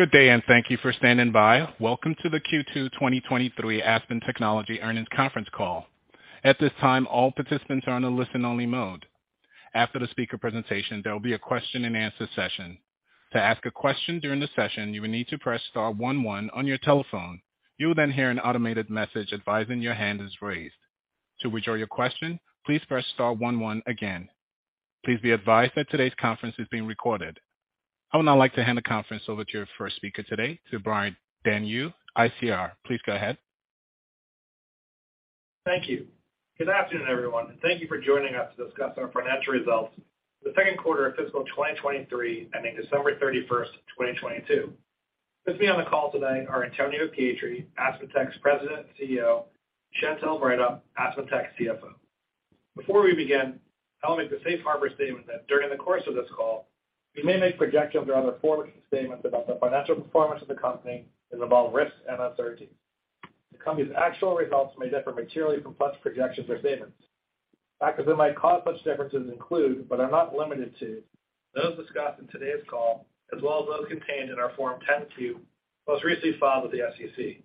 Good day, and thank you for standing by. Welcome to the Q2 2023 Aspen Technology Earnings Conference Call. At this time, all participants are on a listen-only mode. After the speaker presentation, there will be a question-and-answer session. To ask a question during the session, you will need to press star one one on your telephone. You will then hear an automated message advising your hand is raised. To withdraw your question, please press star one one again. Please be advised that today's conference is being recorded. I would now like to hand the conference over to your first speaker today, to Brian Denyeau, ICR. Please go ahead. Thank you. Good afternoon, everyone, and thank you for joining us to discuss our financial results for the 2nd quarter of fiscal 2023, ending December 31, 2022. With me on the call today are Antonio Pietri, AspenTech's President and CEO, Chantelle Breithaupt, AspenTech's CFO. Before we begin, I want to make the safe harbor statement that during the course of this call, we may make projections or other forward-looking statements about the financial performance of the company that involve risks and uncertainties. The company's actual results may differ materially from such projections or statements. Factors that might cause such differences include, but are not limited to, those discussed in today's call, as well as those contained in our Form 10-Q, most recently filed with the SEC.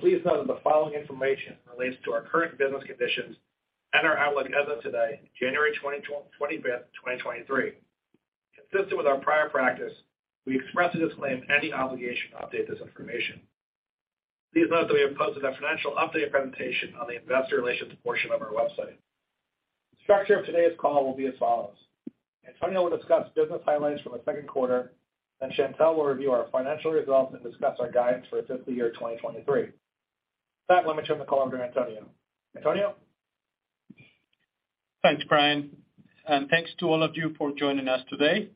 Please note that the following information relates to our current business conditions and our outlook as of today, January 25th, 2023. Consistent with our prior practice, we expressly disclaim any obligation to update this information. Please note that we have posted a financial update presentation on the investor relations portion of our website. The structure of today's call will be as follows: Antonio will discuss business highlights from the second quarter, then Chantelle will review our financial results and discuss our guidance for fiscal year 2023. With that, let me turn the call over to Antonio. Antonio? Thanks, Brian, and thanks to all of you for joining us today.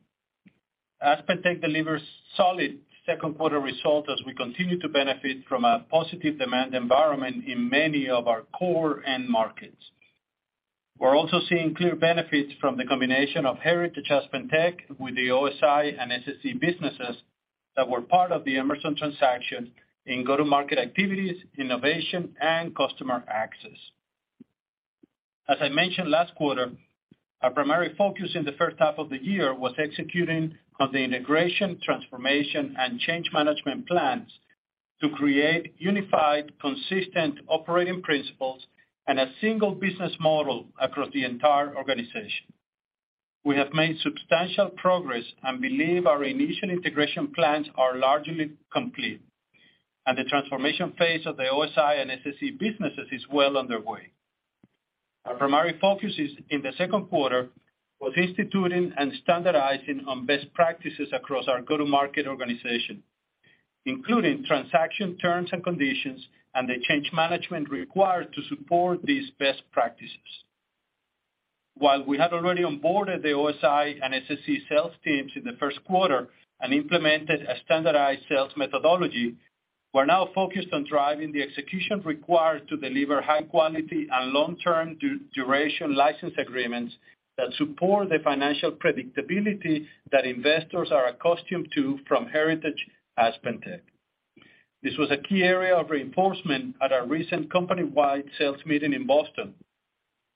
AspenTech delivers solid second quarter result as we continue to benefit from a positive demand environment in many of our core end markets. We're also seeing clear benefits from the combination of Heritage AspenTech with the OSI and SSE businesses that were part of the Emerson transaction in go-to-market activities, innovation, and customer access. As I mentioned last quarter, our primary focus in the first half of the year was executing on the integration, transformation, and change management plans to create unified, consistent operating principles and a single business model across the entire organization. We have made substantial progress and believe our initial integration plans are largely complete, and the transformation phase of the OSI and SSE businesses is well underway. Our primary focuses in the second quarter was instituting and standardizing on best practices across our go-to-market organization, including transaction terms and conditions and the change management required to support these best practices. While we have already onboarded the OSI and SSE sales teams in the first quarter and implemented a standardized sales methodology, we're now focused on driving the execution required to deliver high quality and long-term duration license agreements that support the financial predictability that investors are accustomed to from Heritage AspenTech. This was a key area of reinforcement at our recent company-wide sales meeting in Boston,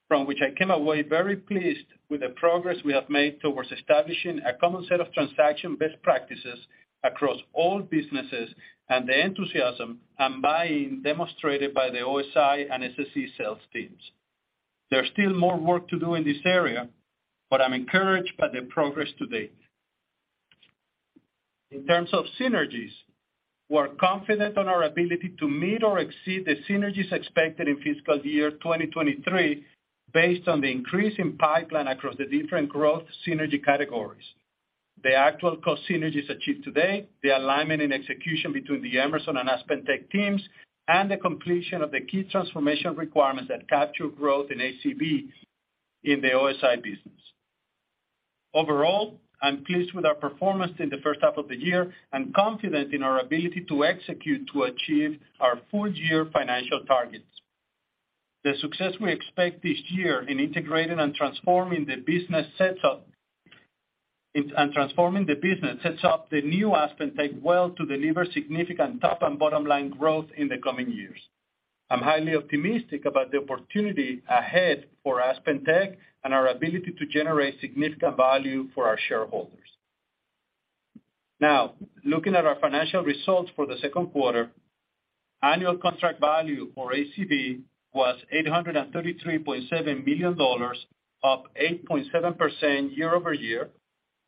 from which I came away very pleased with the progress we have made towards establishing a common set of transaction best practices across all businesses and the enthusiasm and buy-in demonstrated by the OSI and SSE sales teams. There's still more work to do in this area, but I'm encouraged by the progress to date. In terms of synergies, we're confident on our ability to meet or exceed the synergies expected in fiscal year 2023 based on the increase in pipeline across the different growth synergy categories. The actual cost synergies achieved today, the alignment and execution between the Emerson and AspenTech teams, and the completion of the key transformation requirements that capture growth in ACV in the OSI business. Overall, I'm pleased with our performance in the first half of the year and confident in our ability to execute to achieve our full-year financial targets. The success we expect this year in integrating and transforming the business sets up the new AspenTech well to deliver significant top and bottom-line growth in the coming years. I'm highly optimistic about the opportunity ahead for AspenTech and our ability to generate significant value for our shareholders. Looking at our financial results for the second quarter, annual contract value for ACV was $833.7 million, up 8.7% year-over-year.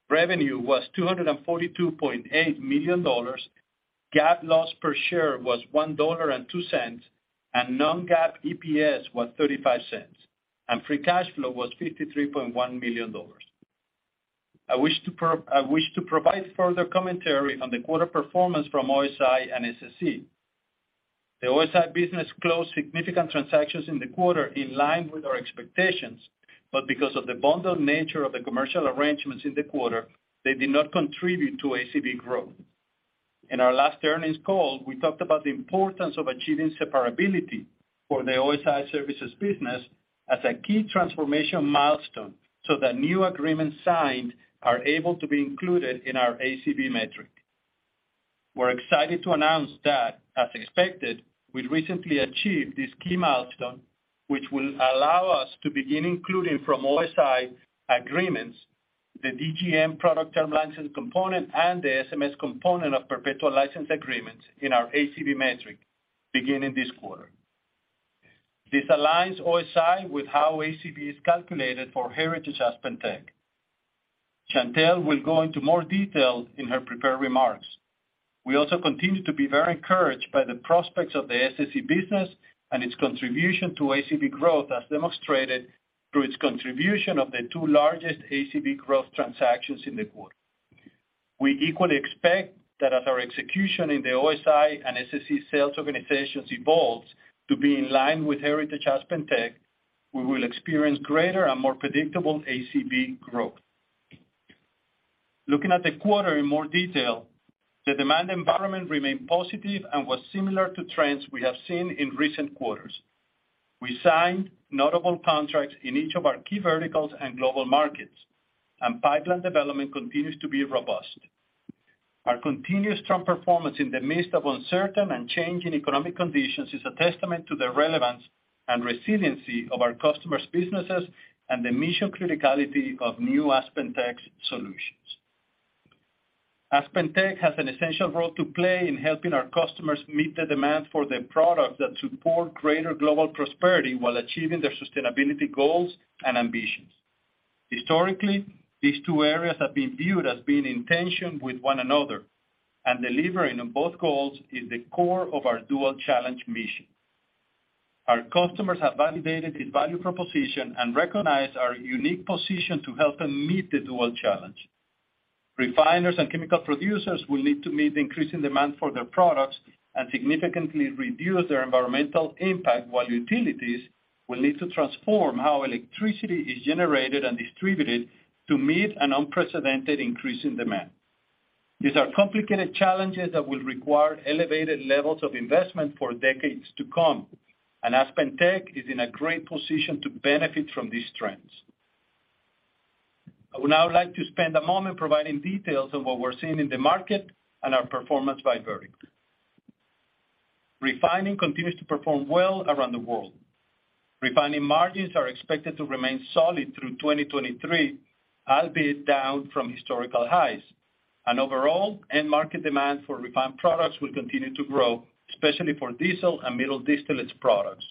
Revenue was $242.8 million. GAAP loss per share was $1.02, and non-GAAP EPS was $0.35, and free cash flow was $53.1 million. I wish to provide further commentary on the quarter performance from OSI and SSE. The OSI business closed significant transactions in the quarter in line with our expectations, but because of the bundled nature of the commercial arrangements in the quarter, they did not contribute to ACV growth. In our last earnings call, we talked about the importance of achieving separability for the OSI services business as a key transformation milestone so that new agreements signed are able to be included in our ACV metric. We're excited to announce that, as expected, we recently achieved this key milestone, which will allow us to begin including from OSI agreements, the DGM product term license component, and the SMS component of perpetual license agreements in our ACV metric beginning this quarter. This aligns OSI with how ACV is calculated for Heritage AspenTech. Chantelle will go into more detail in her prepared remarks. We also continue to be very encouraged by the prospects of the SSE business and its contribution to ACV growth, as demonstrated through its contribution of the two largest ACV growth transactions in the quarter. We equally expect that as our execution in the OSI and SSE sales organizations evolves to be in line with Heritage AspenTech, we will experience greater and more predictable ACV growth. Looking at the quarter in more detail, the demand environment remained positive and was similar to trends we have seen in recent quarters. We signed notable contracts in each of our key verticals and global markets. Pipeline development continues to be robust. Our continuous strong performance in the midst of uncertain and changing economic conditions is a testament to the relevance and resiliency of our customers' businesses and the mission criticality of new AspenTech solutions. AspenTech has an essential role to play in helping our customers meet the demand for the products that support greater global prosperity while achieving their sustainability goals and ambitions. Historically, these two areas have been viewed as being in tension with one another, and delivering on both goals is the core of our Dual Challenge mission. Our customers have validated this value proposition and recognized our unique position to help them meet the Dual Challenge. Refiners and chemical producers will need to meet the increasing demand for their products and significantly reduce their environmental impact, while utilities will need to transform how electricity is generated and distributed to meet an unprecedented increase in demand. These are complicated challenges that will require elevated levels of investment for decades to come, and AspenTech is in a great position to benefit from these trends. I would now like to spend a moment providing details on what we're seeing in the market and our performance by vertical. Refining continues to perform well around the world. Refining margins are expected to remain solid through 2023, albeit down from historical highs. Overall, end market demand for refined products will continue to grow, especially for diesel and middle distillate products.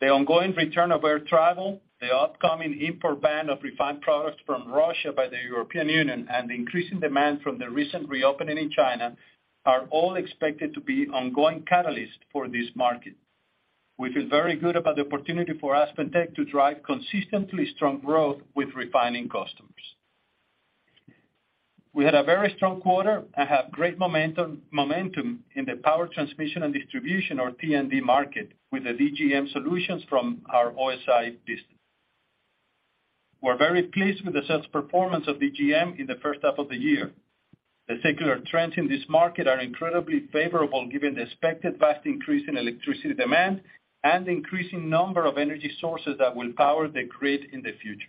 The ongoing return of air travel, the upcoming import ban of refined products from Russia by the European Union, and the increasing demand from the recent reopening in China are all expected to be ongoing catalysts for this market. We feel very good about the opportunity for AspenTech to drive consistently strong growth with refining customers. We had a very strong quarter and have great momentum in the power transmission and distribution or T&D market with the DGM solutions from our OSI business. We're very pleased with the sales performance of DGM in the first half of the year. The secular trends in this market are incredibly favorable given the expected vast increase in electricity demand and the increasing number of energy sources that will power the grid in the future.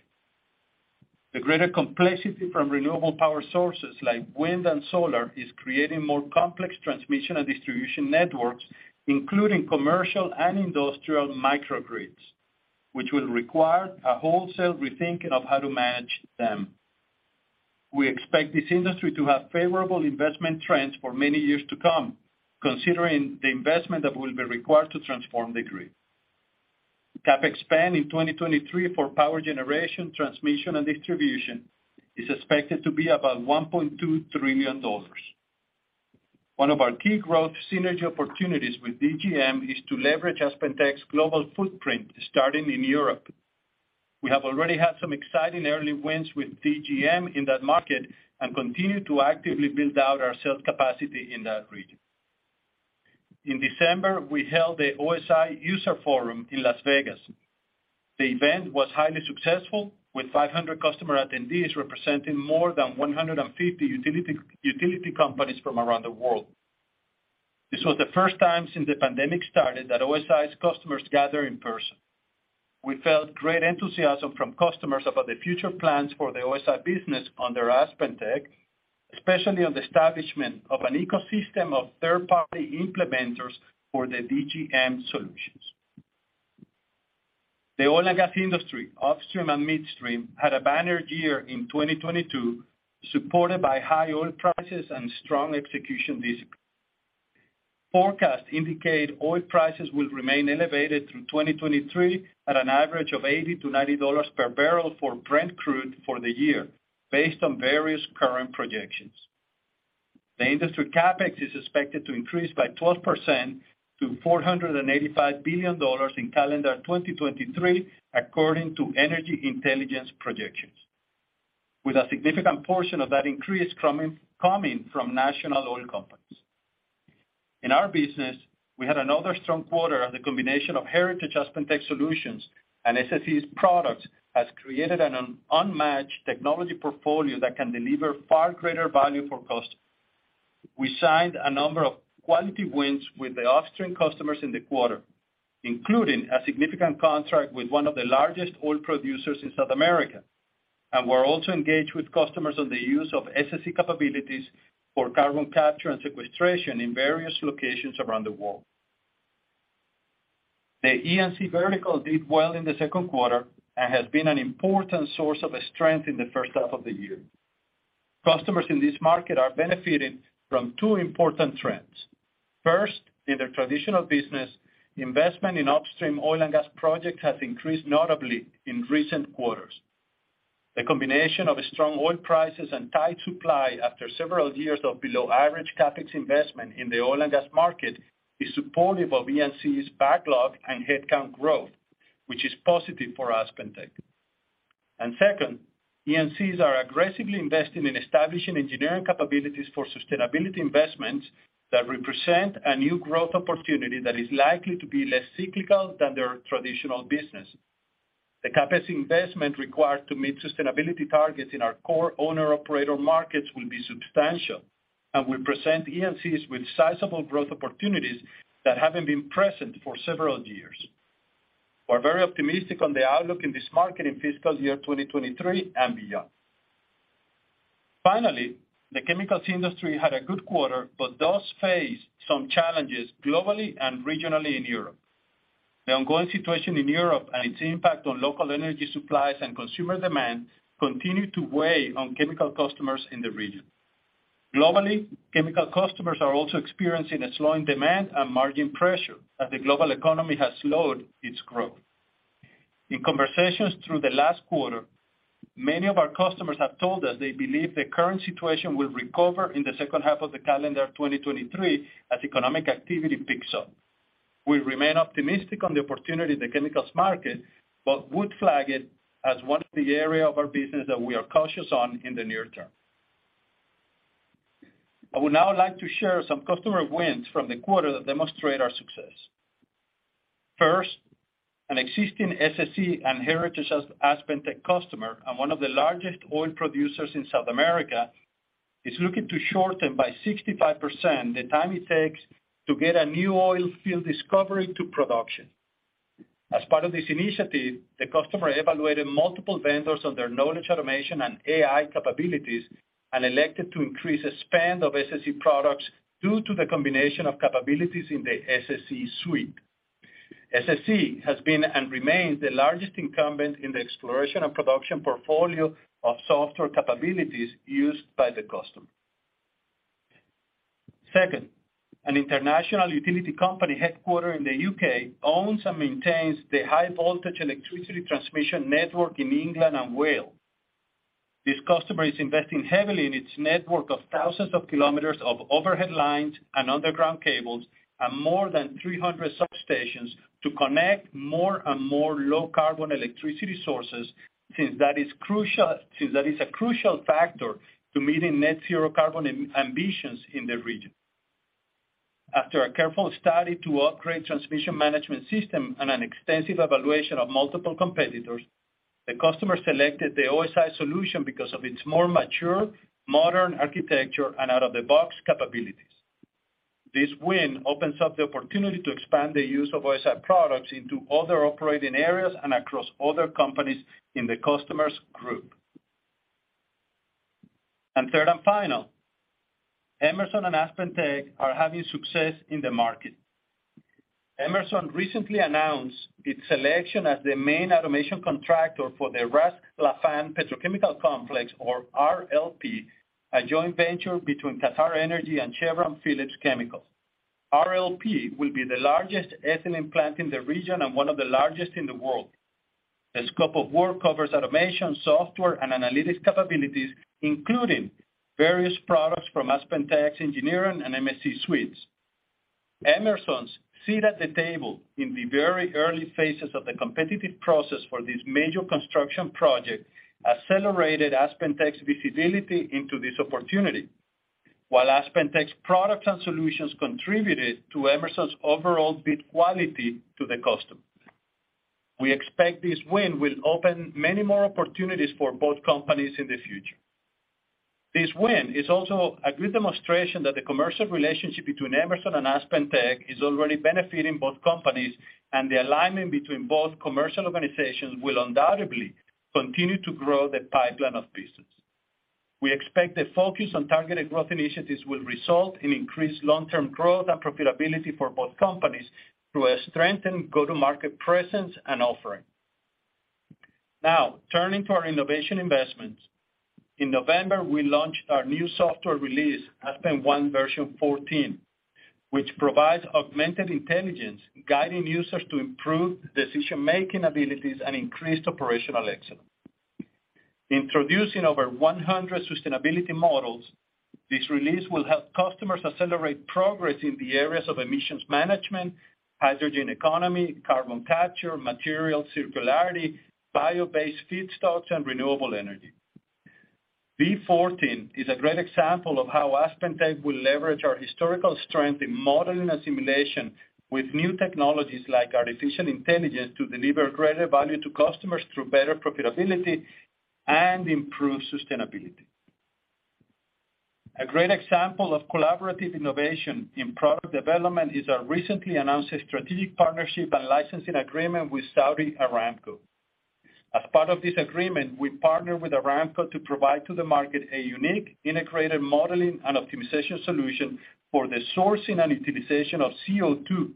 The greater complexity from renewable power sources like wind and solar is creating more complex transmission and distribution networks, including commercial and industrial microgrids, which will require a wholesale rethinking of how to manage them. We expect this industry to have favorable investment trends for many years to come, considering the investment that will be required to transform the grid. CapEx spend in 2023 for power generation, transmission, and distribution is expected to be about $1.2 trillion. One of our key growth synergy opportunities with DGM is to leverage AspenTech's global footprint starting in Europe. We have already had some exciting early wins with DGM in that market and continue to actively build out our sales capacity in that region. In December, we held the OSI User Forum in Las Vegas. The event was highly successful, with 500 customer attendees representing more than 150 utility companies from around the world. This was the first time since the pandemic started that OSI's customers gather in person. We felt great enthusiasm from customers about the future plans for the OSI business under AspenTech, especially on the establishment of an ecosystem of third-party implementers for the DGM solutions. The oil and gas industry, upstream and midstream, had a banner year in 2022, supported by high oil prices and strong execution discipline. Forecasts indicate oil prices will remain elevated through 2023 at an average of $80-$90 per barrel for Brent crude for the year, based on various current projections. The industry CapEx is expected to increase by 12% to $485 billion in calendar 2023 according to Energy Intelligence projections, with a significant portion of that increase coming from national oil companies. In our business, we had another strong quarter as the combination of Heritage AspenTech solutions and SSE's products has created an unmatched technology portfolio that can deliver far greater value for customers. We signed a number of quality wins with the upstream customers in the quarter, including a significant contract with one of the largest oil producers in South America. We're also engaged with customers on the use of SSE capabilities for carbon capture and sequestration in various locations around the world. The E&C vertical did well in the second quarter and has been an important source of strength in the first half of the year. Customers in this market are benefiting from two important trends. First, in their traditional business, investment in upstream oil and gas projects has increased notably in recent quarters. The combination of strong oil prices and tight supply after several years of below-average CapEx investment in the oil and gas market is supportive of E&C's backlog and headcount growth, which is positive for AspenTech. Second, E&Cs are aggressively investing in establishing engineering capabilities for sustainability investments that represent a new growth opportunity that is likely to be less cyclical than their traditional business. The CapEx investment required to meet sustainability targets in our core owner-operator markets will be substantial and will present E&Cs with sizable growth opportunities that haven't been present for several years. We're very optimistic on the outlook in this market in fiscal year 2023 and beyond. Finally, the chemicals industry had a good quarter, but does face some challenges globally and regionally in Europe. The ongoing situation in Europe and its impact on local energy supplies and consumer demand continue to weigh on chemical customers in the region. Globally, chemical customers are also experiencing a slowing demand and margin pressure as the global economy has slowed its growth. In conversations through the last quarter, many of our customers have told us they believe the current situation will recover in the second half of the calendar 2023 as economic activity picks up. We remain optimistic on the opportunity in the chemicals market, would flag it as one of the area of our business that we are cautious on in the near term. I would now like to share some customer wins from the quarter that demonstrate our success. First, an existing SSE and Heritage AspenTech customer and one of the largest oil producers in South America is looking to shorten by 65% the time it takes to get a new oil field discovery to production. As part of this initiative, the customer evaluated multiple vendors on their knowledge automation and AI capabilities and elected to increase the spend of SSE products due to the combination of capabilities in the SSE suite. SSE has been and remains the largest incumbent in the exploration and production portfolio of software capabilities used by the customer. An international utility company headquartered in the U.K. owns and maintains the high-voltage electricity transmission network in England and Wales. This customer is investing heavily in its network of thousands of kilometers of overhead lines and underground cables and more than 300 substations to connect more and more low-carbon electricity sources since that is a crucial factor to meeting net zero carbon ambitions in the region. After a careful study to upgrade transmission management system and an extensive evaluation of multiple competitors, the customer selected the OSI solution because of its more mature, modern architecture and out-of-the-box capabilities. This win opens up the opportunity to expand the use of OSI products into other operating areas and across other companies in the customer's group. Third and final, Emerson and AspenTech are having success in the market. Emerson recently announced its selection as the main automation contractor for the Ras Laffan Petrochemical Complex or RLP, a joint venture between QatarEnergy and Chevron Phillips Chemical. RLP will be the largest ethylene plant in the region and one of the largest in the world. The scope of work covers automation, software, and analytics capabilities, including various products from AspenTech's engineering and MSC suites. Emerson's seat at the table in the very early phases of the competitive process for this major construction project accelerated AspenTech's visibility into this opportunity. While AspenTech's products and solutions contributed to Emerson's overall bid quality to the customer. We expect this win will open many more opportunities for both companies in the future. This win is also a good demonstration that the commercial relationship between Emerson and AspenTech is already benefiting both companies, and the alignment between both commercial organizations will undoubtedly continue to grow the pipeline of business. We expect the focus on targeted growth initiatives will result in increased long-term growth and profitability for both companies through a strengthened go-to-market presence and offering. Now, turning to our innovation investments. In November, we launched our new software release, aspenONE version 14, which provides augmented intelligence guiding users to improve decision-making abilities and increased operational excellence. Introducing over 100 sustainability models, this release will help customers accelerate progress in the areas of emissions management, hydrogen economy, carbon capture, material circularity, bio-based feedstocks, and renewable energy. V14 is a great example of how AspenTech will leverage our historical strength in modeling and simulation with new technologies like artificial intelligence to deliver greater value to customers through better profitability and improved sustainability. A great example of collaborative innovation in product development is our recently announced strategic partnership and licensing agreement with Saudi Aramco. As part of this agreement, we partner with Aramco to provide to the market a unique integrated modeling and optimization solution for the sourcing and utilization of CO₂.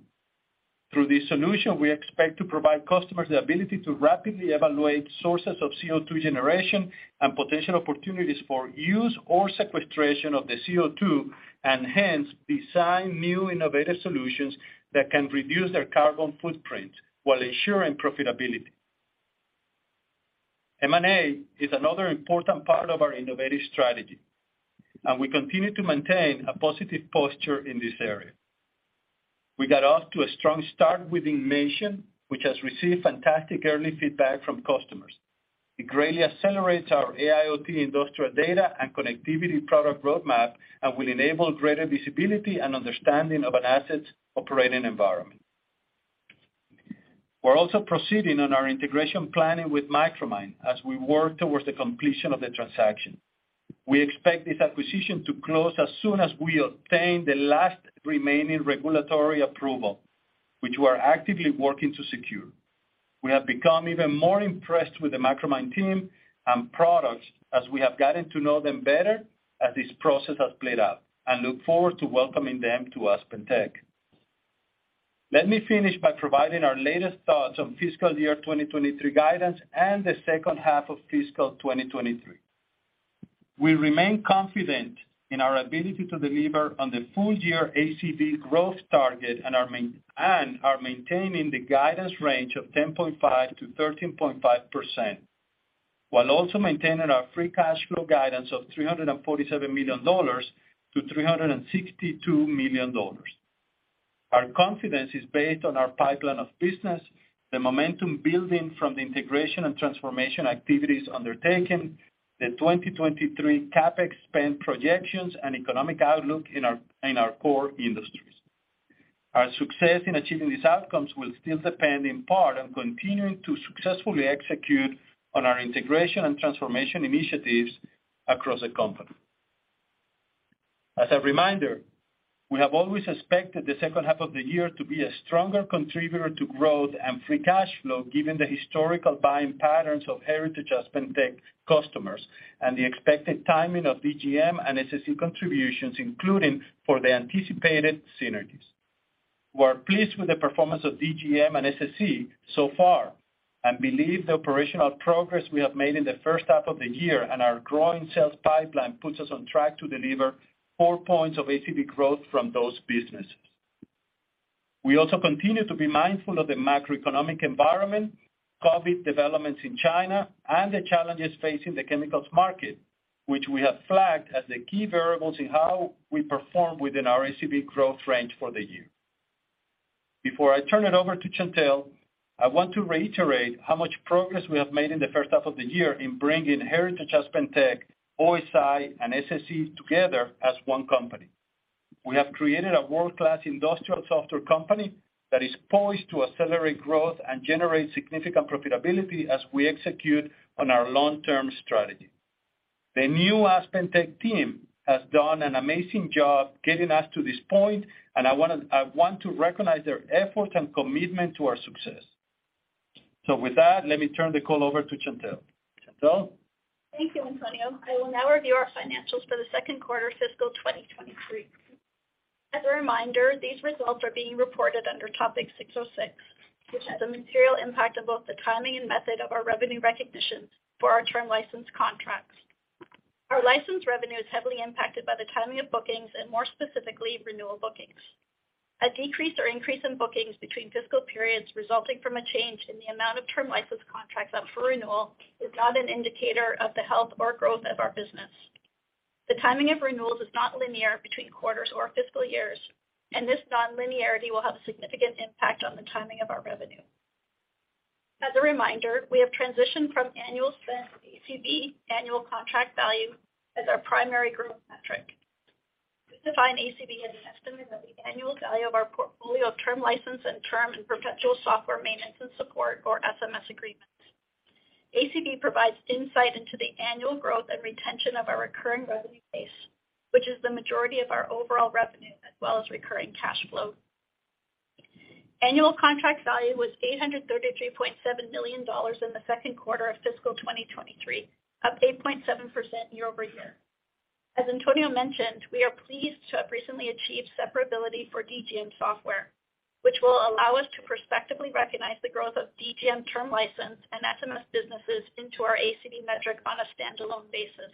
Through this solution, we expect to provide customers the ability to rapidly evaluate sources of CO₂ generation and potential opportunities for use or sequestration of the CO₂, hence design new innovative solutions that can reduce their carbon footprint while ensuring profitability. M&A is another important part of our innovative strategy. We continue to maintain a positive posture in this area. We got off to a strong start with Inmation, which has received fantastic early feedback from customers. It greatly accelerates our AIoT industrial data and connectivity product roadmap and will enable greater visibility and understanding of an asset's operating environment. We're also proceeding on our integration planning with Micromine as we work towards the completion of the transaction. We expect this acquisition to close as soon as we obtain the last remaining regulatory approval, which we are actively working to secure. We have become even more impressed with the Micromine team and products as we have gotten to know them better as this process has played out, and look forward to welcoming them to AspenTech. Let me finish by providing our latest thoughts on fiscal year 2023 guidance and the second half of fiscal 2023. We remain confident in our ability to deliver on the full year ACV growth target and are maintaining the guidance range of 10.5%-13.5%, while also maintaining our free cash flow guidance of $347 million-$362 million. Our confidence is based on our pipeline of business, the momentum building from the integration and transformation activities undertaken, the 2023 CapEx spend projections and economic outlook in our core industries. Our success in achieving these outcomes will still depend in part on continuing to successfully execute on our integration and transformation initiatives across the company. As a reminder, we have always expected the second half of the year to be a stronger contributor to growth and free cash flow, given the historical buying patterns of Heritage AspenTech customers and the expected timing of DGM and SSE contributions, including for the anticipated synergies. We're pleased with the performance of DGM and SSE so far, and believe the operational progress we have made in the first half of the year and our growing sales pipeline puts us on track to deliver four points of ACV growth from those businesses. We also continue to be mindful of the macroeconomic environment, COVID developments in China, and the challenges facing the chemicals market, which we have flagged as the key variables in how we perform within our ACV growth range for the year. Before I turn it over to Chantelle, I want to reiterate how much progress we have made in the first half of the year in bringing Heritage AspenTech, OSI, and SSE together as one company. We have created a world-class industrial software company that is poised to accelerate growth and generate significant profitability as we execute on our long-term strategy. The new AspenTech team has done an amazing job getting us to this point, and I want to recognize their effort and commitment to our success. With that, let me turn the call over to Chantelle. Chantelle? Thank you, Antonio. I will now review our financials for the second quarter fiscal 2023. As a reminder, these results are being reported under Topic 606, which has a material impact on both the timing and method of our revenue recognition for our term license contracts. Our license revenue is heavily impacted by the timing of bookings and more specifically, renewal bookings. A decrease or increase in bookings between fiscal periods resulting from a change in the amount of term license contracts up for renewal is not an indicator of the health or growth of our business. The timing of renewals is not linear between quarters or fiscal years. This non-linearity will have a significant impact on the timing of our revenue. As a reminder, we have transitioned from Annual spend ACV, Annual Contract Value, as our primary growth metric. We define ACV as an estimate of the annual value of our portfolio of term license and term and perpetual Software Maintenance and Support or SMS agreements. ACV provides insight into the annual growth and retention of our recurring revenue base, which is the majority of our overall revenue as well as recurring cash flow. Annual Contract Value was $833.7 million in the second quarter of fiscal 2023, up 8.7% year-over-year. As Antonio mentioned, we are pleased to have recently achieved separability for DGM software, which will allow us to prospectively recognize the growth of DGM term license and SMS businesses into our ACV metric on a standalone basis.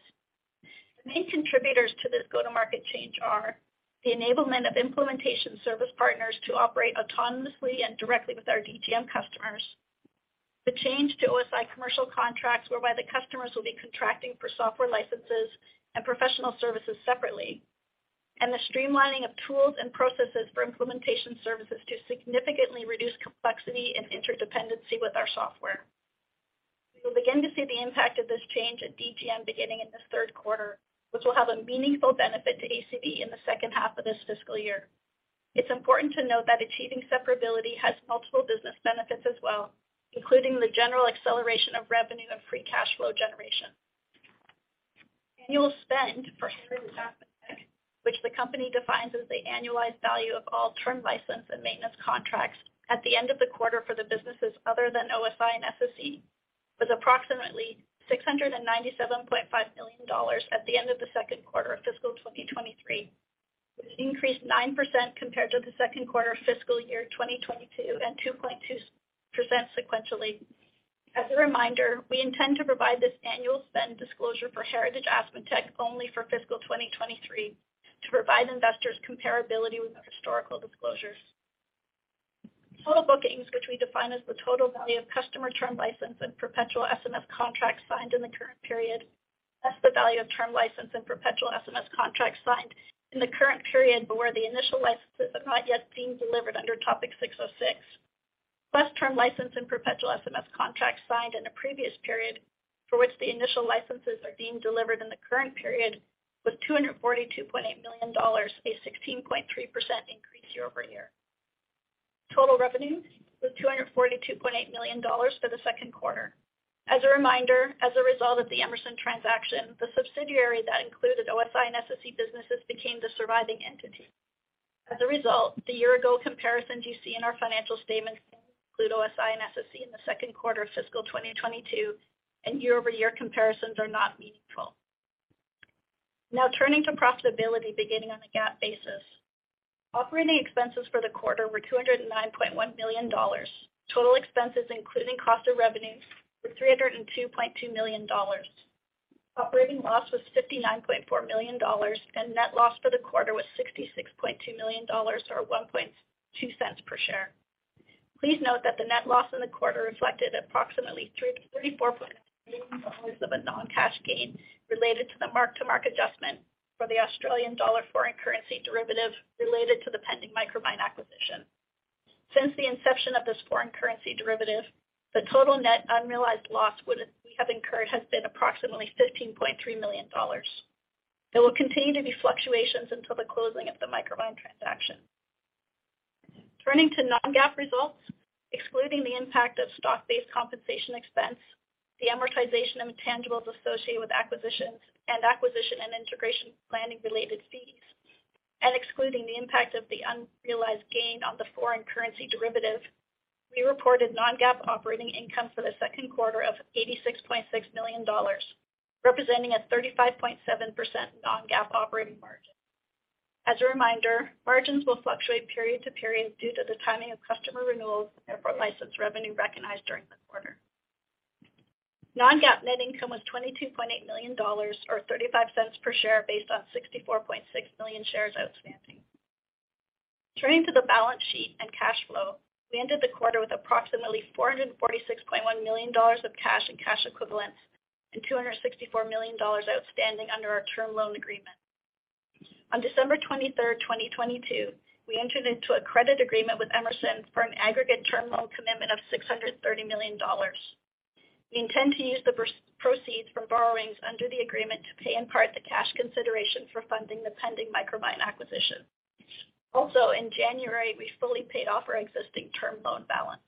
The main contributors to this go-to-market change are the enablement of implementation service partners to operate autonomously and directly with our DGM customers, the change to OSI commercial contracts whereby the customers will be contracting for software licenses and professional services separately, and the streamlining of tools and processes for implementation services to significantly reduce complexity and interdependency with our software. We will begin to see the impact of this change at DGM beginning in the third quarter, which will have a meaningful benefit to ACV in the second half of this fiscal year. It's important to note that achieving separability has multiple business benefits as well, including the general acceleration of revenue and free cash flow generation. Annual spend for Heritage AspenTech, which the company defines as the annualized value of all term license and maintenance contracts at the end of the quarter for the businesses other than OSI and SSE, was approximately $697.5 million at the end of the second quarter of fiscal 2023, which increased 9% compared to the second quarter of fiscal year 2022, and 2.2% sequentially. As a reminder, we intend to provide this annual spend disclosure for Heritage AspenTech only for fiscal 2023 to provide investors comparability with our historical disclosures. Total bookings, which we define as the total value of customer term license and perpetual SMS contracts signed in the current period, plus the value of term license and perpetual SMS contracts signed in the current period but where the initial licenses have not yet been delivered under Topic 606, plus term license and perpetual SMS contracts signed in a previous period for which the initial licenses are deemed delivered in the current period was $242.8 million, a 16.3% increase year-over-year. Total revenue was $242.8 million for the second quarter. As a reminder, as a result of the Emerson transaction, the subsidiary that included OSI and SSE businesses became the surviving entity. As a result, the year-ago comparisons you see in our financial statements include OSI and SSE in the second quarter of fiscal 2022, year-over-year comparisons are not meaningful. Now turning to profitability beginning on a GAAP basis. Operating expenses for the quarter were $209.1 million. Total expenses, including cost of revenue, were $302.2 million. Operating loss was $59.4 million, and net loss for the quarter was $66.2 million, or $0.012 per share. Please note that the net loss in the quarter reflected approximately 344.8 million of a non-cash gain related to the mark-to-market adjustment for the Australian dollar foreign currency derivative related to the pending Micromine acquisition. Since the inception of this foreign currency derivative, the total net unrealized loss we have incurred has been approximately $15.3 million. There will continue to be fluctuations until the closing of the Micromine transaction. Turning to non-GAAP results, excluding the impact of stock-based compensation expense, the amortization of intangibles associated with acquisitions, and acquisition and integration planning related fees, and excluding the impact of the unrealized gain on the foreign currency derivative, we reported non-GAAP operating income for the second quarter of $86.6 million, representing a 35.7% non-GAAP operating margin. As a reminder, margins will fluctuate period to period due to the timing of customer renewals and therefore license revenue recognized during the quarter. Non-GAAP net income was $22.8 million or $0.35 per share based on 64.6 million shares outstanding. Turning to the balance sheet and cash flow, we ended the quarter with approximately $446.1 million of cash and cash equivalents, and $264 million outstanding under our term loan agreement. On December 23, 2022, we entered into a credit agreement with Emerson for an aggregate term loan commitment of $630 million. We intend to use the proceeds from borrowings under the agreement to pay in part the cash consideration for funding the pending Micromine acquisition. Also, in January, we fully paid off our existing term loan balance.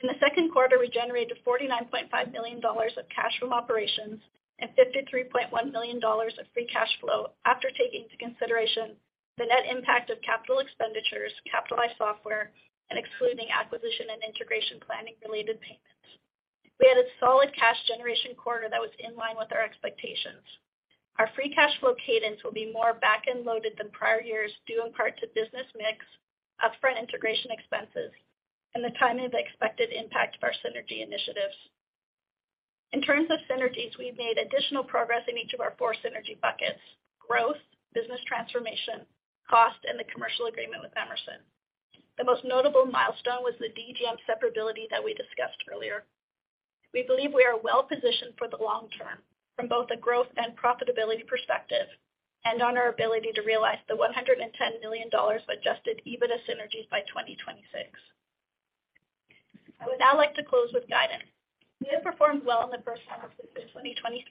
In the second quarter, we generated $49.5 million of cash from operations and $53.1 million of free cash flow after taking into consideration the net impact of capital expenditures, capitalized software, and excluding acquisition and integration planning related payments. We had a solid cash generation quarter that was in line with our expectations. Our free cash flow cadence will be more back-end loaded than prior years, due in part to business mix, upfront integration expenses, and the timing of the expected impact of our synergy initiatives. In terms of synergies, we've made additional progress in each of our four synergy buckets: growth, business transformation, cost, and the commercial agreement with Emerson. The most notable milestone was the DGM separability that we discussed earlier. We believe we are well positioned for the long term from both a growth and profitability perspective, and on our ability to realize the $110 million of adjusted EBITDA synergies by 2026. I would now like to close with guidance. We have performed well in the first half of fiscal 2023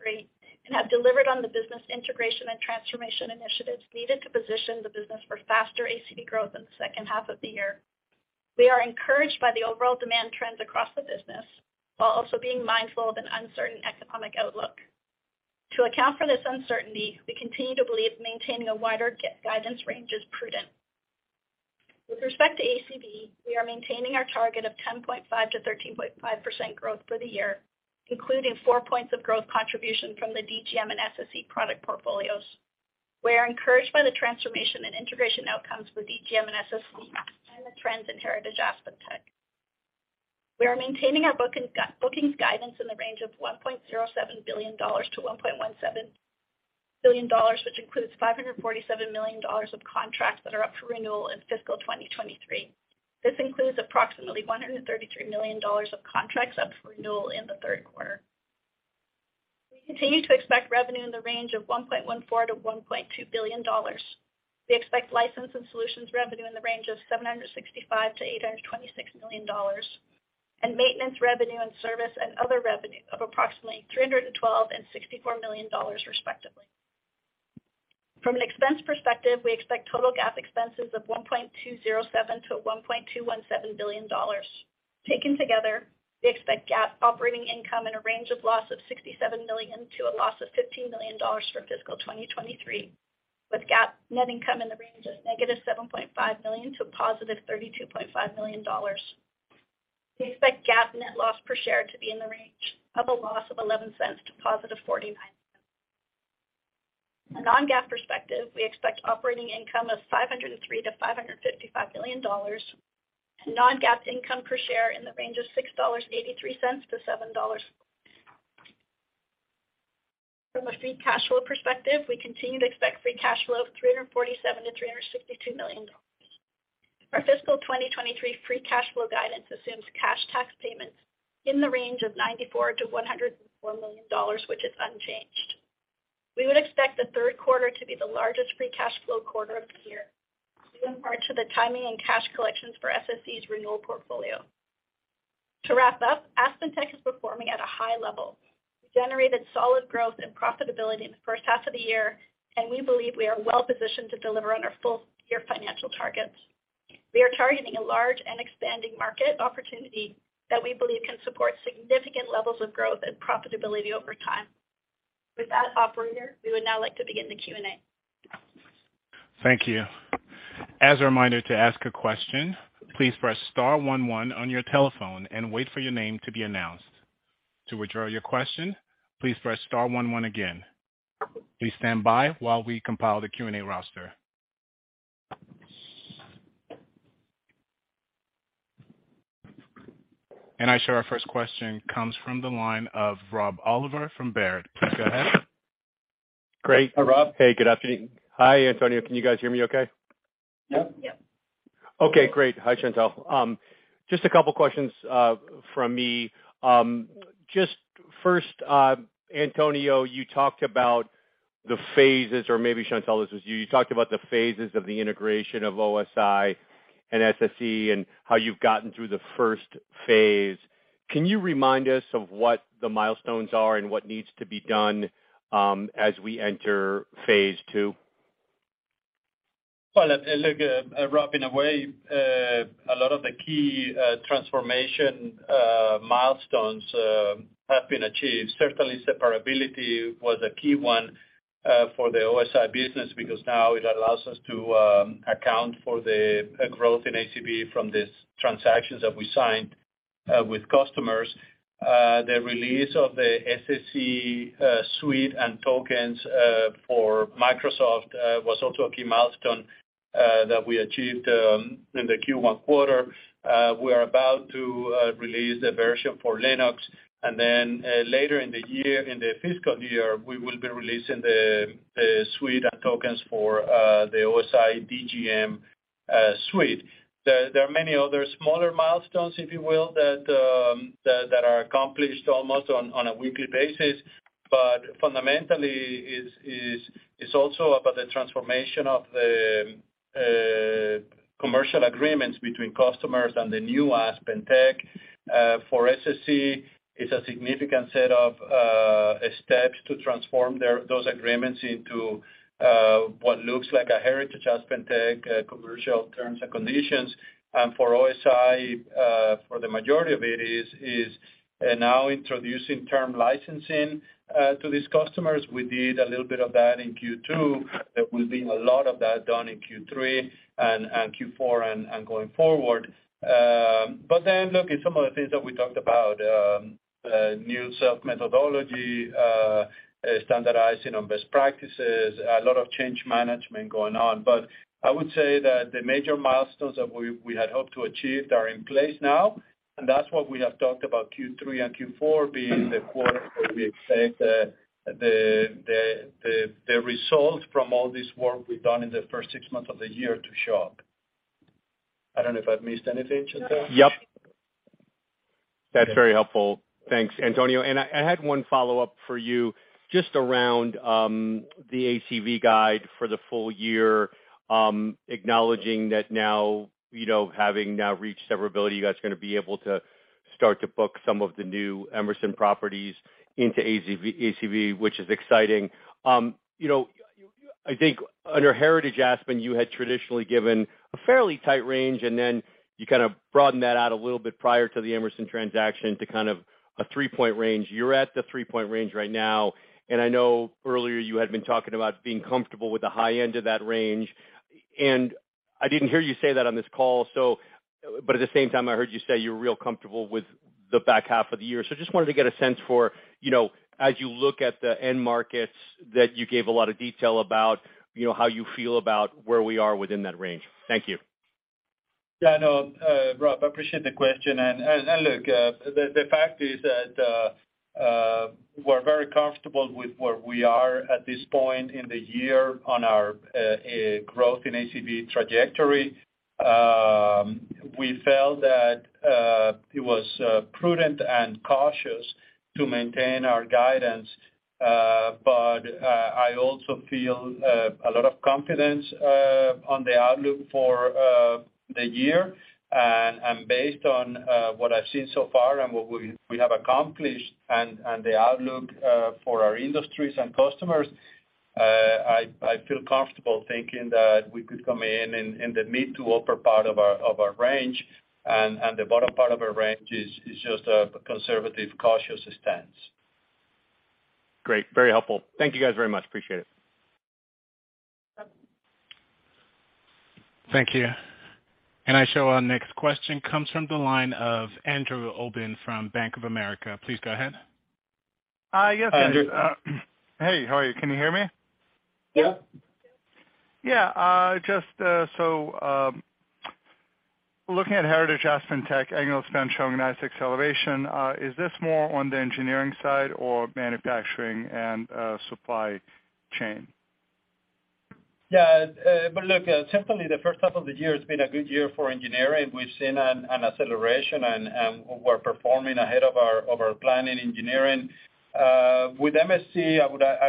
and have delivered on the business integration and transformation initiatives needed to position the business for faster ACV growth in the second half of the year. We are encouraged by the overall demand trends across the business, while also being mindful of an uncertain economic outlook. To account for this uncertainty, we continue to believe maintaining a wider guidance range is prudent. With respect to ACV, we are maintaining our target of 10.5%-13.5% growth for the year, including 4 points of growth contribution from the DGM and SSE product portfolios. We are encouraged by the transformation and integration outcomes with DGM and SSE and the trends in Heritage AspenTech. We are maintaining our book and bookings guidance in the range of $1.07 billion-$1.17 billion, which includes $547 million of contracts that are up for renewal in fiscal 2023. This includes approximately $133 million of contracts up for renewal in the third quarter. We continue to expect revenue in the range of $1.14 billion-$1.2 billion. We expect license and solutions revenue in the range of $765 million-$826 million. Maintenance revenue and service and other revenue of approximately $312 million and $64 million respectively. From an expense perspective, we expect total GAAP expenses of $1.207 billion-$1.217 billion. Taken together, we expect GAAP operating income in a range of loss of $67 million to a loss of $15 million for fiscal 2023, with GAAP net income in the range of -$7.5 million to +$32.5 million. We expect GAAP net loss per share to be in the range of a loss of $0.11 to positive $0.49. A non-GAAP perspective, we expect operating income of $503 million-$555 million, and non-GAAP income per share in the range of $6.83-$7.00. From a free cash flow perspective, we continue to expect free cash flow of $347 million-$362 million. Our fiscal 2023 free cash flow guidance assumes cash tax payments in the range of $94 million-$104 million, which is unchanged. We would expect the third quarter to be the largest free cash flow quarter of the year, due in part to the timing and cash collections for SSE's renewal portfolio. To wrap up, AspenTech is performing at a high level. We generated solid growth and profitability in the first half of the year, and we believe we are well-positioned to deliver on our full-year financial targets. We are targeting a large and expanding market opportunity that we believe can support significant levels of growth and profitability over time. With that, operator, we would now like to begin the Q&A. Thank you. As a reminder to ask a question, please press star one one on your telephone and wait for your name to be announced. To withdraw your question, please press star one one again. Please stand by while we compile the Q&A roster. I show our first question comes from the line of Rob Oliver from Baird. Please go ahead. Great. Hi, Rob. Hey, good afternoon. Hi, Antonio. Can you guys hear me okay? Yeah. Yeah. Okay, great. Hi, Chantelle. Just a couple questions from me. Just first, Antonio, you talked about the phases, or maybe Chantelle, this was you. You talked about the phases of the integration of OSI and SSE and how you've gotten through the first phase. Can you remind us of what the milestones are and what needs to be done, as we enter phase two? Well, look, Rob Oliver, in a way, a lot of the key transformation milestones have been achieved. Certainly separability was a key one for the OSI business because now it allows us to account for the growth in ACV from these transactions that we signed with customers. The release of the SSE suite and tokens for Microsoft was also a key milestone that we achieved in the Q1 quarter. We are about to release the version for Linux, and then later in the year, in the fiscal year, we will be releasing the suite of tokens for the OSI Digital Grid Management suite. There are many other smaller milestones, if you will, that are accomplished almost on a weekly basis. Fundamentally is also about the transformation of the commercial agreements between customers and the new AspenTech. For SSE, it's a significant set of steps to transform those agreements into what looks like a Heritage AspenTech commercial terms and conditions. For OSI, for the majority of it is now introducing term licensing to these customers. We did a little bit of that in Q2. There will be a lot of that done in Q3 and Q4 and going forward. Look at some of the things that we talked about, new self methodology, standardizing on best practices, a lot of change management going on. I would say that the major milestones that we had hoped to achieve are in place now, and that's what we have talked about Q3 and Q4 being the quarter where we expect the results from all this work we've done in the first six months of the year to show up. I don't know if I've missed anything, Chantelle? Yep. That's very helpful. Thanks, Antonio. I had one follow-up for you just around the ACV guide for the full year, acknowledging that now, you know, having now reached severability, you guys are gonna be able to start to book some of the new Emerson properties into ACV, which is exciting. You know, I think under Heritage AspenTech, you had traditionally given a fairly tight range, and then you kinda broadened that out a little bit prior to the Emerson transaction to kind of a 3-point range. You're at the 3-point range right now, I know earlier you had been talking about being comfortable with the high end of that range. I didn't hear you say that on this call, so. At the same time, I heard you say you're real comfortable with the back half of the year. Just wanted to get a sense for, you know, as you look at the end markets that you gave a lot of detail about, you know, how you feel about where we are within that range? Thank you. Yeah, no, Rob, I appreciate the question. Look, the fact is that we're very comfortable with where we are at this point in the year on our growth in ACV trajectory. We felt that it was prudent and cautious to maintain our guidance, but I also feel a lot of confidence on the outlook for the year. Based on what I've seen so far and what we have accomplished and the outlook for our industries and customers, I feel comfortable thinking that we could come in the mid to upper part of our range. The bottom part of our range is just a conservative, cautious stance. Great. Very helpful. Thank you guys very much. Appreciate it. Thank you. I show our next question comes from the line of Andrew Obin from Bank of America. Please go ahead. Hi. Yes, Andrew. Hey, how are you? Can you hear me? Yeah. Yeah. Looking at Heritage AspenTech annual spend showing nice acceleration, is this more on the engineering side or manufacturing and supply chain? Look, certainly the first half of the year has been a good year for engineering. We've seen an acceleration and we're performing ahead of our plan in engineering. With MSC, I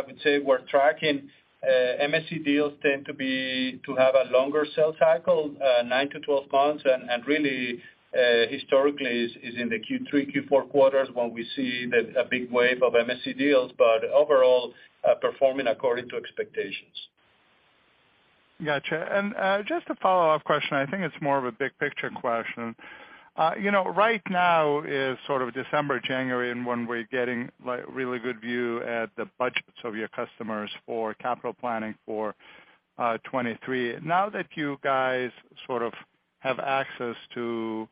would say we're tracking, MSC deals tend to have a longer sales cycle, 9-12 months, and really historically is in the Q3, Q4 when we see a big wave of MSC deals. Overall, performing according to expectations. Gotcha. Just a follow-up question. I think it's more of a big picture question. You know, right now is sort of December, January, and when we're getting like really good view at the budgets of your customers for capital planning for 2023. Now that you guys sort of have access to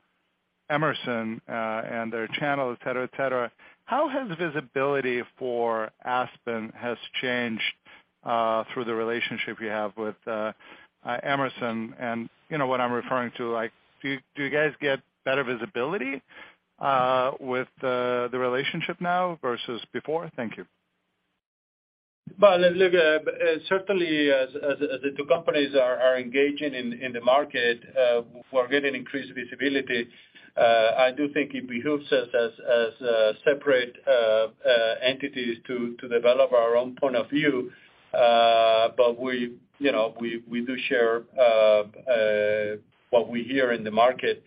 Emerson, and their channels, et cetera, et cetera, how has visibility for Aspen changed through the relationship you have with Emerson? You know what I'm referring to. Like, do you guys get better visibility with the relationship now versus before? Thank you. Well, look, certainly as the two companies are engaging in the market, we're getting increased visibility. I do think it behooves us as separate entities to develop our own point of view. We, you know, we do share what we hear in the market.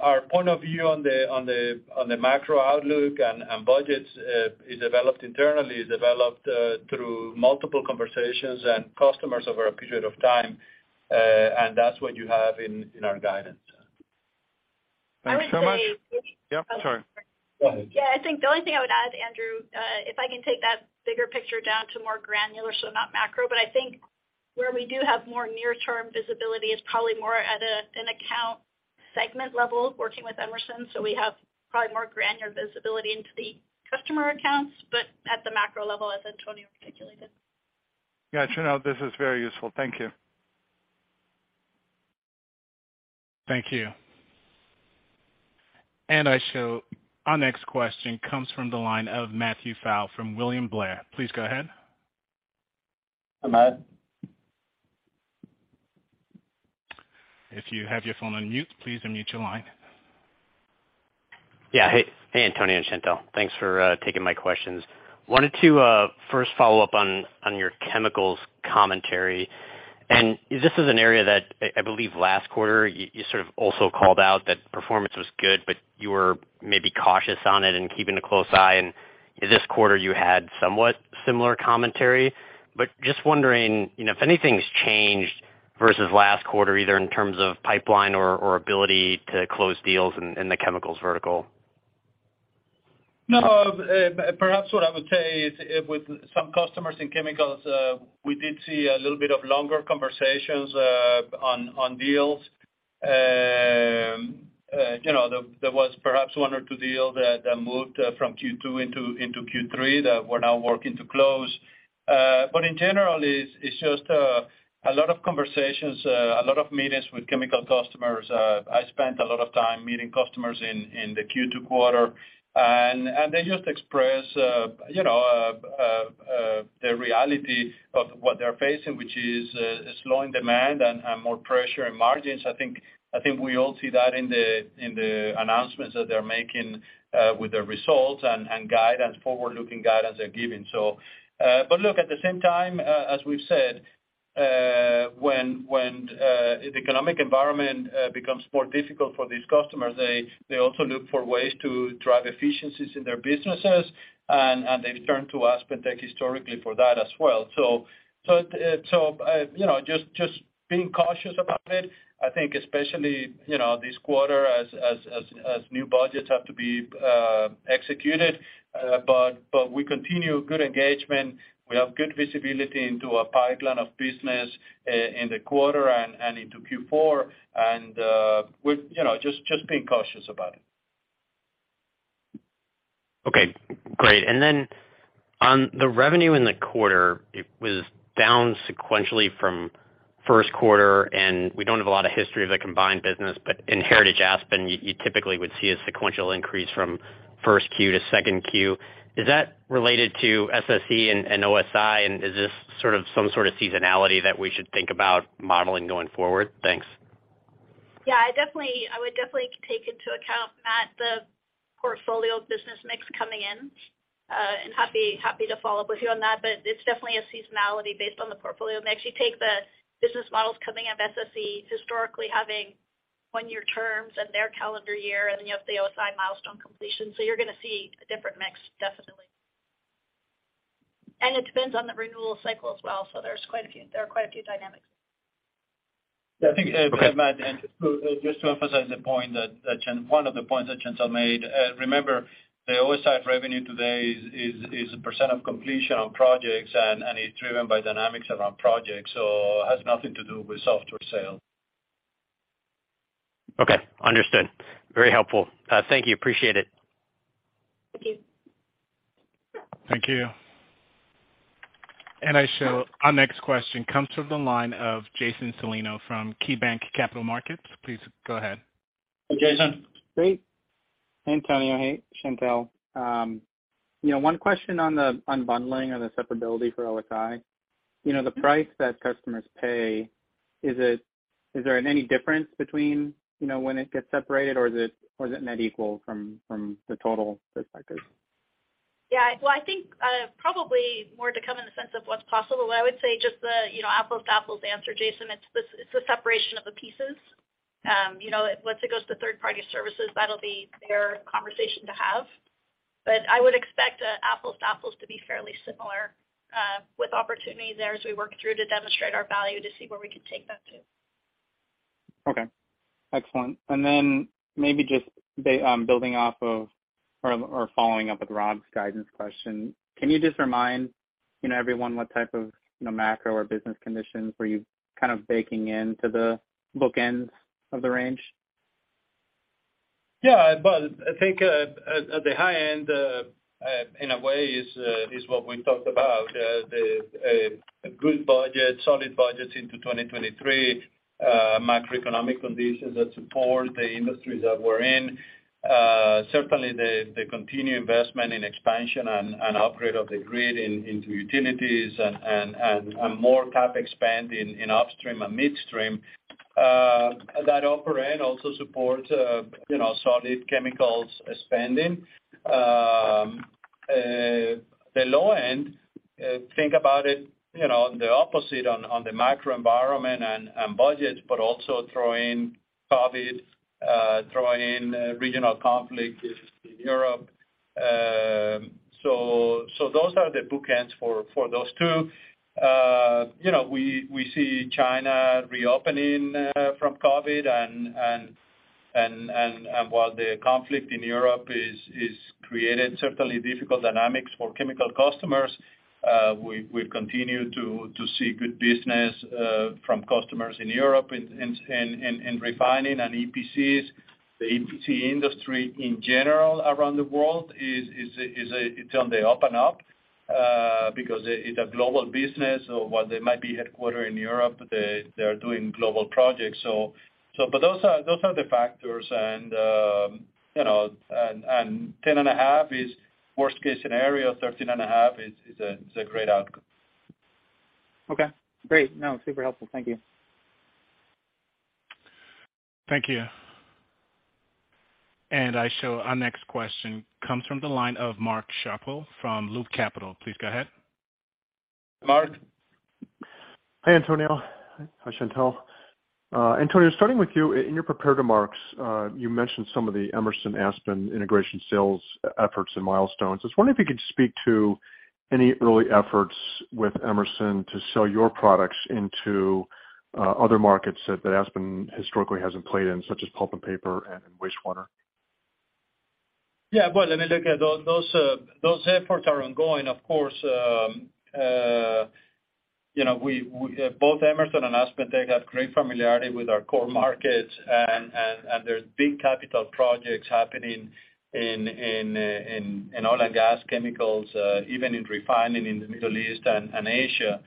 Our point of view on the macro outlook and budgets is developed internally, is developed through multiple conversations and customers over a period of time. That's what you have in our guidance. Thanks so much. I would say- Yeah. Sorry. Go ahead. Yeah. I think the only thing I would add, Andrew, if I can take that bigger picture down to more granular, so not macro, but I think where we do have more near-term visibility is probably more at an account segment level working with Emerson. We have probably more granular visibility into the customer accounts, but at the macro level as Antonio articulated. Got you. No, this is very useful. Thank you. Thank you. I show our next question comes from the line of Matthew Faul from William Blair. Please go ahead. Hi, Matt. If you have your phone on mute, please unmute your line. Yeah. Hey. Hey, Antonio and Chantelle. Thanks for taking my questions. Wanted to first follow up on your chemicals commentary. This is an area that I believe last quarter you sort of also called out that performance was good, but you were maybe cautious on it and keeping a close eye. This quarter you had somewhat similar commentary. Just wondering, you know, if anything's changed versus last quarter, either in terms of pipeline or ability to close deals in the chemicals vertical. No. Perhaps what I would say is with some customers in chemicals, we did see a little bit of longer conversations on deals. You know, there was perhaps 1 or 2 deals that moved from Q2 into Q3 that we're now working to close. In general, it's just a lot of conversations, a lot of meetings with chemical customers. I spent a lot of time meeting customers in the Q2 quarter, and they just express, you know, the reality of what they're facing, which is a slowing demand and more pressure in margins. I think we all see that in the announcements that they're making with their results and guidance, forward-looking guidance they're giving. Look, at the same time, as we've said, when the economic environment becomes more difficult for these customers, they also look for ways to drive efficiencies in their businesses, and they've turned to AspenTech historically for that as well. You know, just being cautious about it, I think especially, you know, this quarter as new budgets have to be executed. We continue good engagement. We have good visibility into a pipeline of business in the quarter and into Q4, and we're, you know, just being cautious about it. Okay, great. On the revenue in the quarter, it was down sequentially from first quarter, we don't have a lot of history of the combined business, but in Heritage AspenTech, you typically would see a sequential increase from first Q to second Q. Is that related to SSE and OSI? Is this sort of some sort of seasonality that we should think about modeling going forward? Thanks. Yeah, I would definitely take into account, Matthew, the portfolio business mix coming in, and happy to follow up with you on that. It's definitely a seasonality based on the portfolio mix. You take the business models coming of SSE historically having one-year terms and their calendar year, and then you have the OSI milestone completion. You're gonna see a different mix, definitely. It depends on the renewal cycle as well. There are quite a few dynamics. I think, Matt, and just to emphasize the point that one of the points that Chantelle made, remember the OSI revenue today is a % of completion on projects and it's driven by dynamics around projects. It has nothing to do with software sales. Okay. Understood. Very helpful. Thank you. Appreciate it. Thank you. Thank you. I show our next question comes from the line of Jason Celino from KeyBanc Capital Markets. Please go ahead. Jason. Great. Hey, Antonio. Hey, Chantelle. You know, one question on the unbundling or the separability for OSI. You know, the price that customers pay, is there any difference between, you know, when it gets separated or is it net equal from the total perspective? Yeah. Well, I think probably more to come in the sense of what's possible. I would say just the, you know, apples to apples answer, Jason, it's the separation of the pieces. You know, once it goes to third-party services, that'll be their conversation to have. I would expect a apples to apples to be fairly similar, with opportunities there as we work through to demonstrate our value to see where we can take that to. Okay. Excellent. Then maybe just building off of or following up with Rob's guidance question, can you just remind, you know, everyone what type of, you know, macro or business conditions were you kind of baking into the bookends of the range? I think at the high end in a way is what we talked about, the good budget, solid budgets into 2023, macroeconomic conditions that support the industries that we're in. Certainly the continued investment in expansion and upgrade of the grid into utilities and more CapEx spend in upstream and midstream. That upper end also supports, you know, solid chemicals spending. The low end, think about it, you know, the opposite on the macro environment and budget, but also throw in COVID, throw in regional conflict in Europe. Those are the bookends for those two. You know, we see China reopening from COVID and while the conflict in Europe is created certainly difficult dynamics for chemical customers, we've continued to see good business from customers in Europe in refining and EPCs. The EPC industry in general around the world is, it's on the up and up because it's a global business. So while they might be headquartered in Europe, they are doing global projects. So but those are the factors. You know, and 10.5% is worst case scenario, 13.5% is a great outcome. Okay. Great. No, super helpful. Thank you. Thank you. I show our next question comes from the line of Mark Schappel from Loop Capital. Please go ahead. Mark. Hi, Antonio. Hi, Chantelle. Antonio, starting with you. In your prepared remarks, you mentioned some of the Emerson Aspen integration sales efforts and milestones. I was wondering if you could speak to any early efforts with Emerson to sell your products into other markets that Aspen historically hasn't played in, such as pulp and paper and wastewater. Well, I mean, look, those efforts are ongoing. Of course, you know, both Emerson and AspenTech have great familiarity with our core markets and there's big capital projects happening in oil and gas chemicals, even in refining in the Middle East and Asia.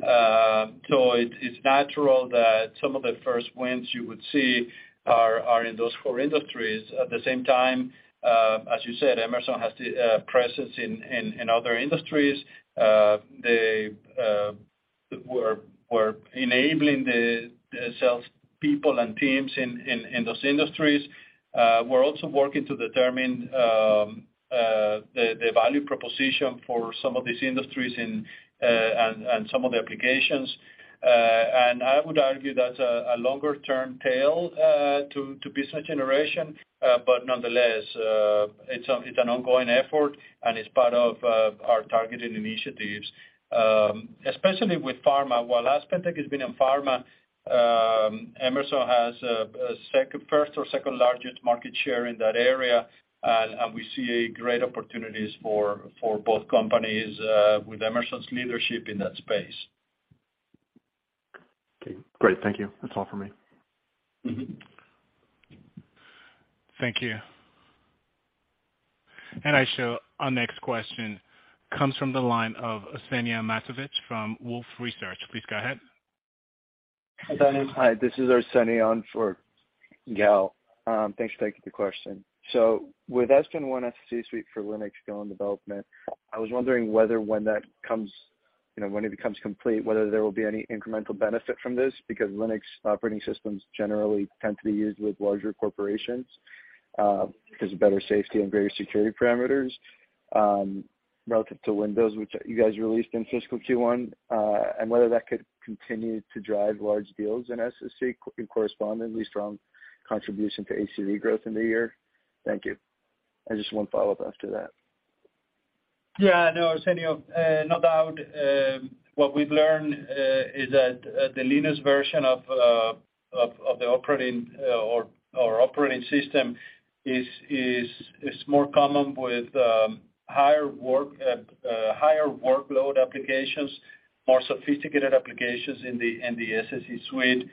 So it's natural that some of the first wins you would see are in those core industries. At the same time, as you said, Emerson has the presence in other industries. They, we're enabling the sales people and teams in those industries. We're also working to determine the value proposition for some of these industries and some of the applications. I would argue that's a longer term tail to business generation. Nonetheless, it's an ongoing effort, and it's part of our targeted initiatives, especially with pharma. While AspenTech has been in pharma, Emerson has a first or second largest market share in that area. We see great opportunities for both companies with Emerson's leadership in that space. Okay, great. Thank you. That's all for me. Thank you. I show our next question comes from the line of Arseniy Ponomarev from Wolfe Research. Please go ahead. Arseniy. Hi, this is Arseniy on for Gal. Thanks for taking the question. With aspenONE SSE Suite for Linux still in development, I was wondering whether when that comes. You know, when it becomes complete, whether there will be any incremental benefit from this because Linux operating systems generally tend to be used with larger corporations, because of better safety and greater security parameters, relative to Windows, which you guys released in fiscal Q1. Whether that could continue to drive large deals in SSE and correspondingly strong contribution to ACV growth in the year? Thank you. I just one follow-up after that. Yeah, no, it's no doubt. What we've learned is that the Linux version of the operating or operating system is more common with higher work, higher workload applications, more sophisticated applications in the SSE suite.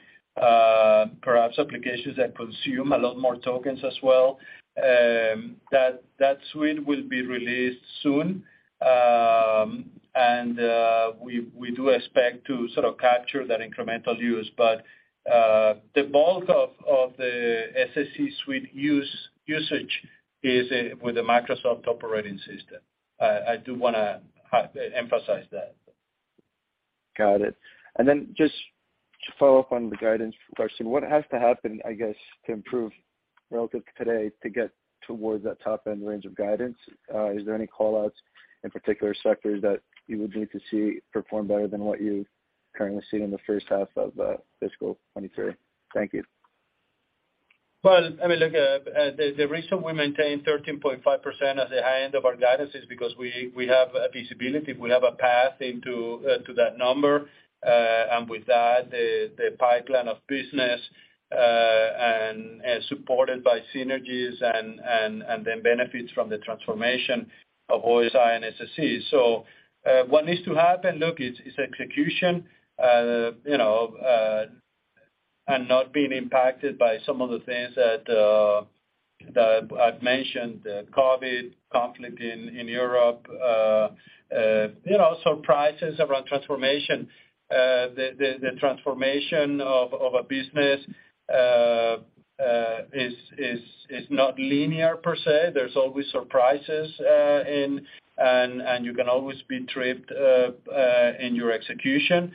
Perhaps applications that consume a lot more tokens as well. That suite will be released soon. We do expect to sort of capture that incremental use. The bulk of the SSE suite usage is with the Microsoft operating system. I do wanna emphasize that. Got it. Then just to follow up on the guidance question, what has to happen, I guess, to improve relative to today to get towards that top-end range of guidance? Is there any call-outs in particular sectors that you would need to see perform better than what you currently see in the first half of fiscal 23? Thank you. Well, I mean, look, the reason we maintain 13.5% as the high end of our guidance is because we have a visibility. We have a path into to that number. With that, the pipeline of business supported by synergies then benefits from the transformation of OSI and SSE. What needs to happen, look, it's execution, you know, and not being impacted by some of the things that I've mentioned, the COVID, conflict in Europe, you know, surprises around transformation. The transformation of a business is not linear per se. There's always surprises, and you can always be tripped in your execution.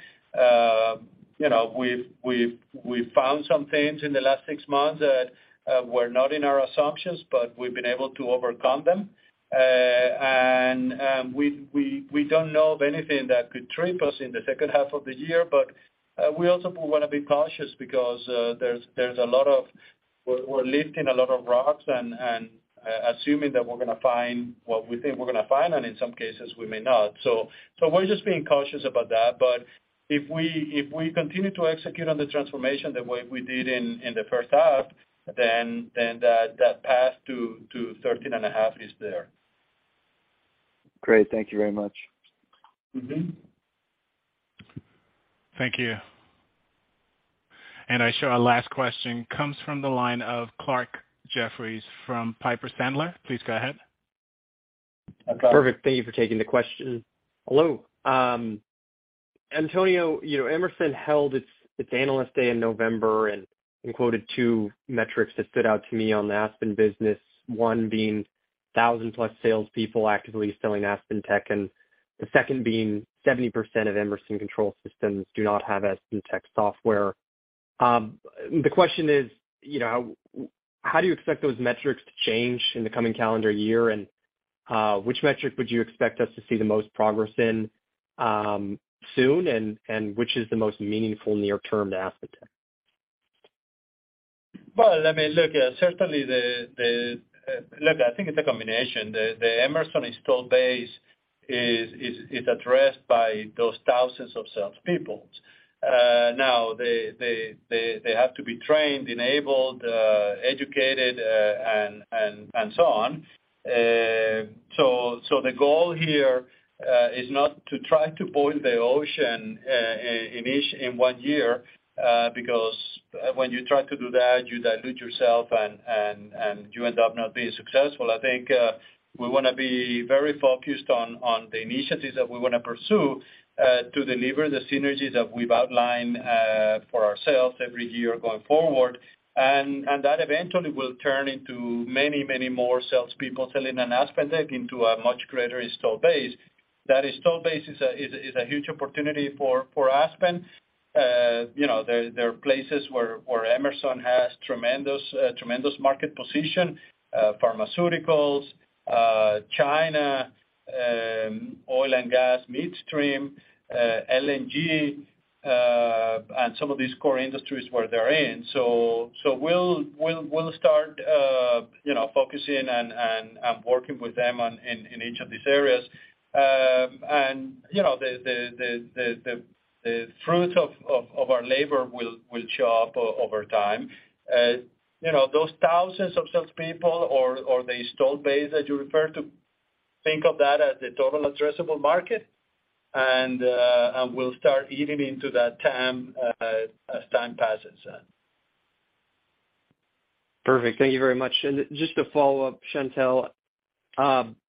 You know, we've found some things in the last 6 months that were not in our assumptions. We've been able to overcome them. We don't know of anything that could trip us in the 2nd half of the year. We also wanna be cautious because there's a lot of we're lifting a lot of rocks and assuming that we're gonna find what we think we're gonna find, and in some cases we may not. We're just being cautious about that. If we continue to execute on the transformation the way we did in the 1st half, then that path to 13.5 is there. Great. Thank you very much. Mm-hmm. Thank you. I show our last question comes from the line of Clarke Jeffries from Piper Sandler. Please go ahead. Hi, Clarke. Perfect. Thank you for taking the question. Hello. Antonio, you know, Emerson held its Analyst Day in November and quoted two metrics that stood out to me on the Aspen business, one being 1,000-plus salespeople actively selling AspenTech, and the second being 70% of Emerson control systems do not have AspenTech software. The question is, you know, how do you expect those metrics to change in the coming calendar year? Which metric would you expect us to see the most progress in soon? Which is the most meaningful near term to AspenTech? Well, I mean, look, I think it's a combination. The Emerson installed base is addressed by those thousands of sales people. Now they have to be trained, enabled, educated, and so on. So the goal here is not to try to boil the ocean in one year, because when you try to do that, you dilute yourself and you end up not being successful. I think we wanna be very focused on the initiatives that we wanna pursue to deliver the synergies that we've outlined for ourselves every year going forward. That eventually will turn into many more salespeople selling an AspenTech into a much greater installed base. That installed base is a huge opportunity for Aspen. You know, there are places where Emerson has tremendous market position, pharmaceuticals, China, oil and gas, midstream, LNG, and some of these core industries where they're in. We'll start, you know, focusing and working with them on each of these areas. You know, the fruit of our labor will show up over time. You know, those thousands of salespeople or the installed base that you refer to, think of that as the total addressable market, and we'll start eating into that TAM as time passes. Perfect. Thank you very much. Just to follow up, Chantelle,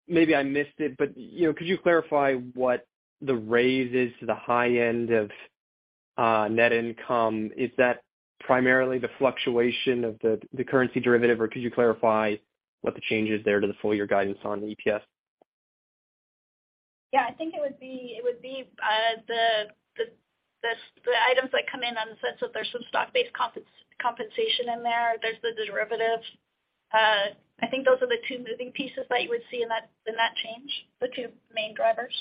maybe I missed it, but, you know, could you clarify what the raise is to the high end of net income? Is that primarily the fluctuation of the currency derivative, or could you clarify what the change is there to the full year guidance on the EPS? Yeah. I think it would be the items that come in on the sense that there's some stock-based compensation in there. There's the derivative. I think those are the two moving pieces that you would see in that, in that change, the two main drivers.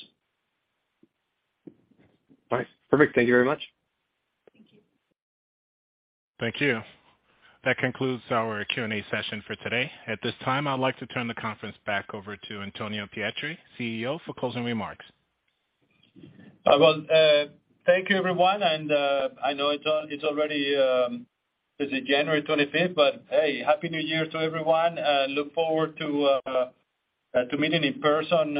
All right. Perfect. Thank you very much. Thank you. Thank you. That concludes our Q&A session for today. At this time, I'd like to turn the conference back over to Antonio Pietri, CEO, for closing remarks. Well, thank you everyone. I know it's it's already, is it January 25th? Hey, Happy New Year to everyone. Look forward to meeting in person,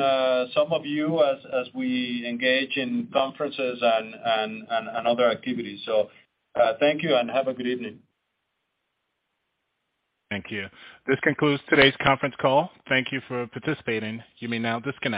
some of you as we engage in conferences and other activities. Thank you, and have a good evening. Thank you. This concludes today's conference call. Thank you for participating. You may now disconnect.